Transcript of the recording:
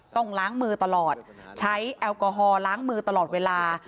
ต้องล้างมือตลอดใช้แอลกอฮอลล้างมือตลอดเวลา